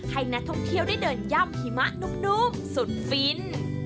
ให้นักท่องเที่ยวได้เดินย่ำหิมะนุ่มสุดฟิน